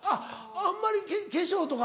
あんまり化粧とか。